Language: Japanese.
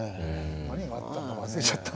何があったか忘れちゃった。